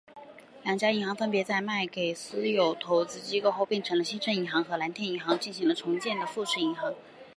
两家银行分别在被卖给私有投资机构后变成了新生银行和蓝天银行重组进了富士银行。